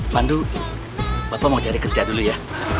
pandu bapak mau cari kerja dulu ya